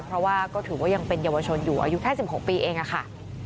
เพราะว่าก็ถือว่ายังเป็นเยาวชนอยู่อายุแค่๑๖ปีเองค่ะ